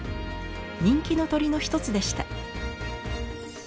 人気の鳥の一つでした。